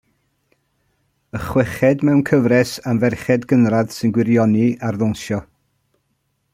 Y chweched mewn cyfres am ferched cynradd sy'n gwirioni ar ddawnsio.